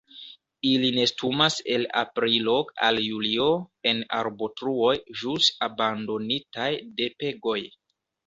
Ili nestumas el aprilo al julio en arbotruoj ĵus abandonitaj de pegoj.